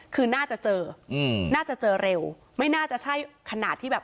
คือน่าจะเจออืมน่าจะเจอเร็วไม่น่าจะใช่ขนาดที่แบบ